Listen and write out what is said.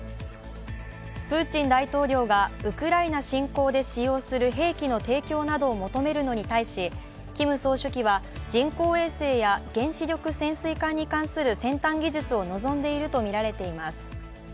プーチン大統領がウクライナ侵攻で使用する兵器の提供などを求めるのに対し、キム総書記は人工衛星や、原子力潜水艦に関する先端技術を望んでいるとみられています。